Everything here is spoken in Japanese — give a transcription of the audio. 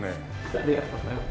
ありがとうございます。